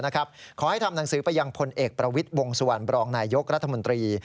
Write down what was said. ขอให้ทำหนังสือไปยังพลเอกประวิทย์วงสุวรรณบรองนายยกรัฐมนตรี